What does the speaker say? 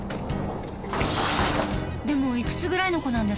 でもいくつぐらいの子なんですか？